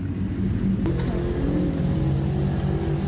อันนี้ฟังภูมิ